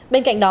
bên cạnh đó